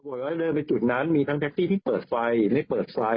ว่าเดินไปจุดนั้นมีทั้งแท็กซี่ที่เปิดไฟและเปิดไฟ